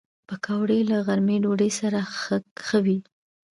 پکورې له غرمې ډوډۍ سره ښه وي